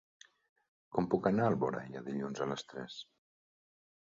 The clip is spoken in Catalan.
Com puc anar a Alboraia dilluns a les tres?